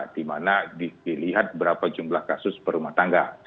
di mana dilihat berapa jumlah kasus per rumah tangga